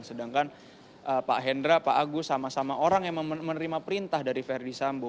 sedangkan pak hendra pak agus sama sama orang yang menerima perintah dari verdi sambo